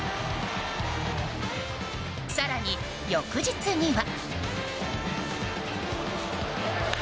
更に、翌日には。